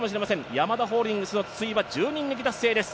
ヤマダホールディングスの筒井は１０人抜き達成です。